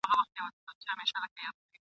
د صابرانو سره خدای ج ملګری وي !.